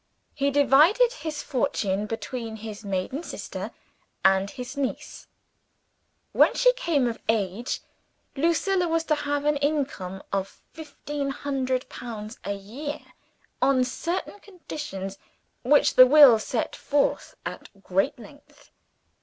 He divided his fortune between his maiden sister, and his niece. When she came of age, Lucilla was to have an income of fifteen hundred pounds a year on certain conditions, which the will set forth at great length.